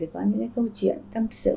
có những cái câu chuyện tâm sự